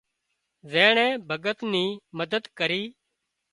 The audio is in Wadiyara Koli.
زينڻي بڳت ني مدد ڪري